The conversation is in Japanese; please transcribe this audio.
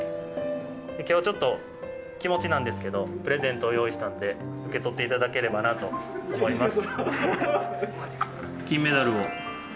今日はちょっと気持ちなんですけどプレゼントを用意したんで受け取っていただければなと思います。